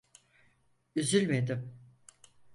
Üzülmedim.